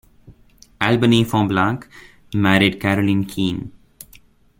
Albany Fonblanque married Caroline Keane.